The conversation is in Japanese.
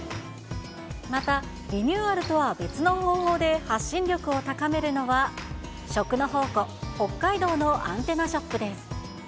また、リニューアルとは別の方法で発信力を高めるのは、食の宝庫、北海道のアンテナショップです。